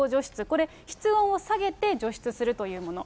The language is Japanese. これ、室温を下げて除湿するというもの。